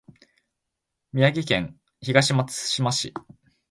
宮城県東松島市